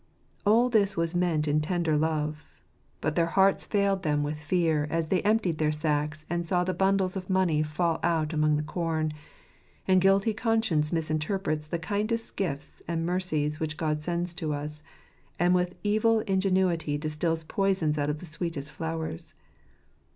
All this was meant in tender love ; but their hearts failed them with fear, as they emptied their sacks and saw the bundles of money fall out among the corn. A guilty conscience misinterprets the kindest gifts and mer cies wtych God sends to us, and with evil ingenuity distils poison out of the sweetest flowers.